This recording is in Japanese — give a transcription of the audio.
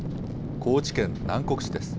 高知県南国市です。